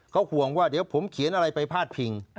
เขาห่วงว่าเดี๋ยวผมเขียนอะไรไปพาดพิง